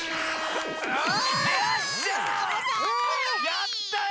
やったよ！